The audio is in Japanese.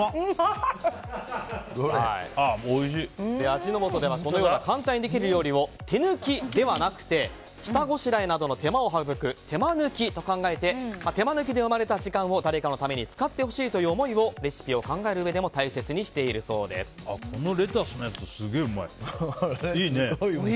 味の素ではこのように簡単にできる料理を手抜きではなくて下ごしらえなどの手間を省く手間抜きと考えて手間抜きで生まれた時間を誰かのために使ってほしいという思いをレシピを考える上でもこのレタスのやつすげえうまい。